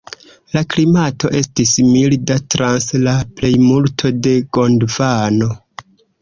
La klimato estis milda trans la plejmulto de Gondvano.